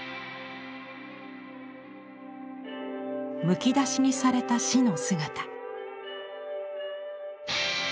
むき出しにされた死の姿。